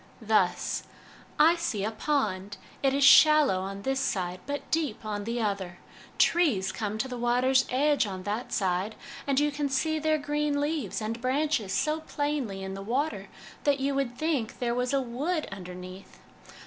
Thus :' I see a pond ; it is shallow on this side, but deep on the other; trees come to the water's edge on that side, and you can see their green leaves and branches so plainly in the water that you would think there was a wood under neath.